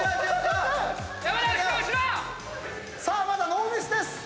まだノーミスです！